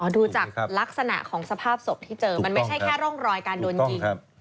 ดูจากลักษณะของสภาพศพที่เจอมันไม่ใช่แค่ร่องรอยการโดนยิง